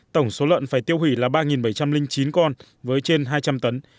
tổng số lợn phải tiêu hủy là ba bảy trăm linh chín con với trên hai trăm linh tấn